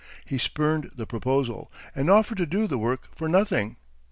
He spurned the proposal, and offered to do the work for nothing.